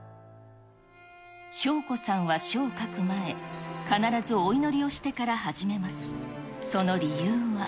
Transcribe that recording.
翔子さんは書を書く前、必ずお祈りをしてから始めます。